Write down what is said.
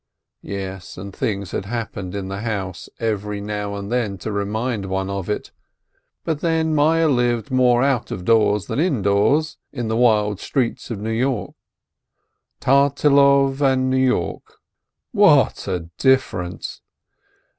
Yes, and things had happened in the house every now and then to remind one of it, but then Meyer lived more out of doors than indoors, in the wild streets of New York. Tartilov and New York — what a differ ence